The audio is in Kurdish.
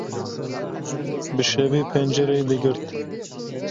Bi şevê pencereyê digirt.